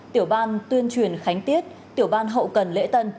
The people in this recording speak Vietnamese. tiểu ban tuyên truyền khánh tiết tiểu ban hậu cần lễ tân